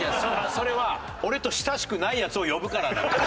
それは俺と親しくないヤツを呼ぶからだから。